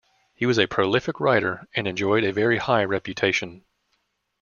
He was a prolific writer and enjoyed a very high reputation.